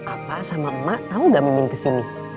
apa sama emak tau gak mimin ke sini